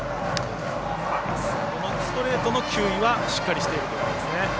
ストレートの球威はしっかりしているということで。